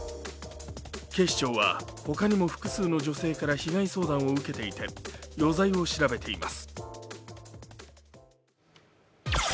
警視庁は、他にも複数の女性から被害相談を受けていて余罪を調べています。